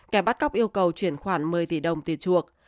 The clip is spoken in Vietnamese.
kẻ bắt cóc yêu cầu chuyển khoản một mươi tỷ đồng tiền chuộc